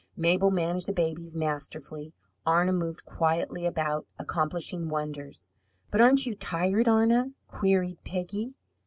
Mabel managed the babies masterfully. Arna moved quietly about, accomplishing wonders. "But aren't you tired, Arna?" queried Peggy.